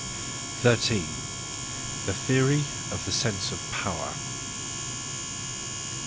13 The Theory of the Sense of Power.